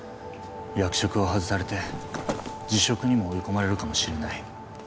役職を外されて辞職にも追い込まれるかもしれない